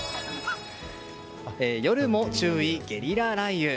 夜も注意、ゲリラ雷雨。